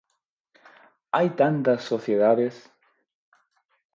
Hai tantas sociedades!